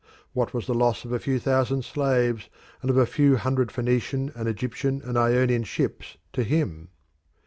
What was the loss of a few thousand slaves, and of a few hundred Phoenician and Egyptian and Ionian ships, to him?